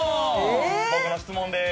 僕の質問です。